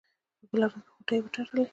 په بله ورځ مې غوټې وتړلې.